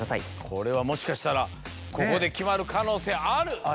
これはもしかしたらここで決まる可能性ある！